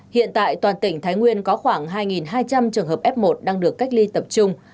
hiện tại toàn tỉnh thái nguyên có khoảng hai hai trăm linh trường hợp f một đang được cách ly tập trung